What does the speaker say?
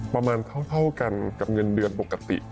ประมาณเท่ากันกับเงินเดือนปกติ